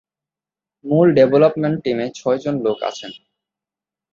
মূল ডেভেলপমেন্ট টিমে ছয়জন লোক আছেন।